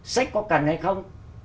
sách có cần hay không